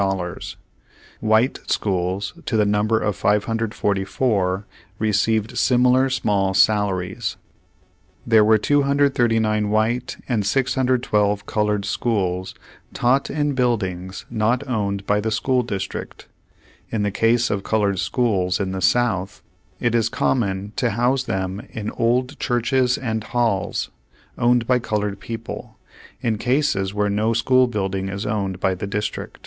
White schools to the number of 544 received similar small sal aries. There were 239 white and 612 colored schools taught in buildings not owned by the school district. In the case of colored schools in the South, it is common to house them in old churches and halls, owned by colored people, in cases where no school building is owned by the district.